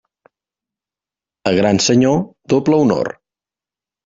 A gran senyor, doble honor.